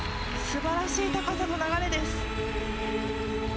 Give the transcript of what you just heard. すばらしい高さと流れです。